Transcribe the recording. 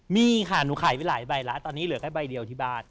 มีค่ะหนูขายไปหลายใบแล้วตอนนี้เหลือแค่ใบเดียวที่บ้าน